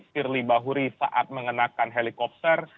firly bahuri saat mengenakan helikopter